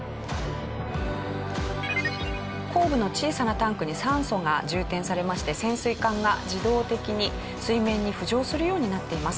後部の小さなタンクに酸素が充填されまして潜水艦が自動的に水面に浮上するようになっています。